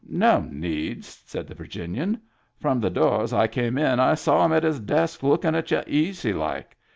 " No need," said the Virginian. " From the door as I came in I saw him at his desk lookin' at y'u easy like.